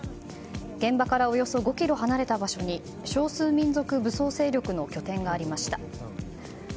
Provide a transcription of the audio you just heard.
現場からおよそ５ｋｍ離れた場所に少数民族武装勢力の拠点がありました。